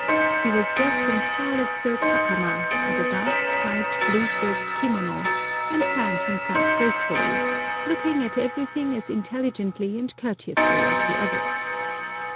He was dressed in scarlet silk hakama, and a dark, striped, blue silk kimono, and fanned himself gracefully, looking at everything as intelligently and courteously as the others.